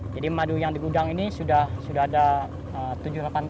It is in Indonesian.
jadi madu yang di gudang ini sudah ada tujuh delapan ton